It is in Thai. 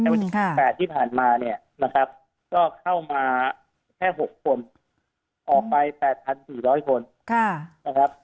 วันที่๒๘ที่ผ่านมาก็เข้ามาแค่๖คนออกไป๘๔๐๐คน